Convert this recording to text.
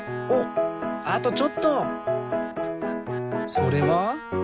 それは？